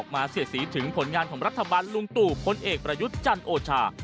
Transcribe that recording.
เสียดสีถึงผลงานของรัฐบาลลุงตู่พลเอกประยุทธ์จันโอชา